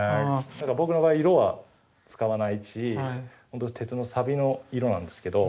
ただ僕の場合色は使わないしほんとに鉄のサビの色なんですけど。